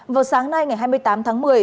vào sáng nay ngày hai mươi tám tháng một mươi